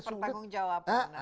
bisa dipertanggung jawab